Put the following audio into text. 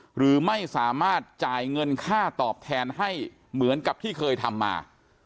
หรือไม่สามารถจ่ายเงินค่าตอบแทนให้เหมือนกับที่เคยทำมา